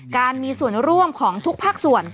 การมีส่วนร่วมของทุกภาคส่วน